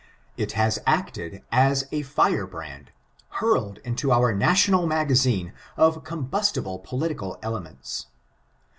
It has acted as a firebrand, hurled into our national magazine of combustible political elements.